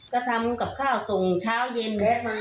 ก็ทำกับข้าวสูงเช้าเย็น